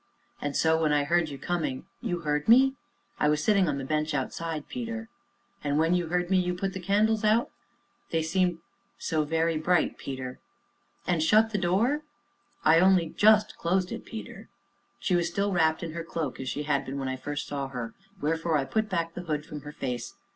"And so when I heard you coming " "You heard me?" "I was sitting on the bench outside, Peter." "And, when you heard me you put the candles out?" "They seemed so very bright, Peter." "And shut the door?" "I only just closed it, Peter." She was still wrapped in her cloak, as she had been when I first saw her, wherefore I put back the hood from her face.